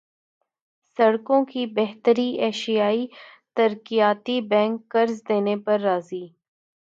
سڑکوں کی بہتریایشیائی ترقیاتی بینک قرض دینے پر راضی